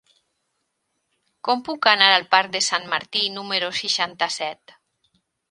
Com puc anar al parc de Sant Martí número seixanta-set?